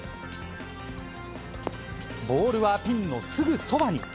ボールはピンのすぐそばに。